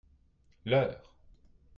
leur.